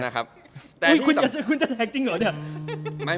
แต่คุณจะแท็กจริงเหรอเนี่ย